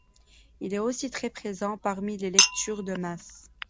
Il est aussi très présent parmi les lectures de messe.